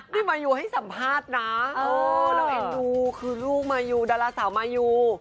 นี่มายูให้สัมภาษณ์นะเราเอ็นดูคือลูกมายูดาราสาวมายู